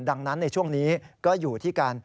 ดังนั้นในช่วงนี้ก็อยู่ที่การ